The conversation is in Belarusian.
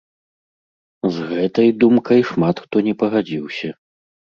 З гэтай думкай шмат хто не пагадзіўся.